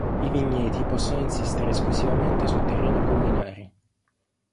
I vigneti possono insistere esclusivamente su terreni collinari.